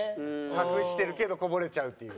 隠してるけどこぼれちゃうっていう。